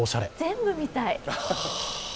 全部見たい。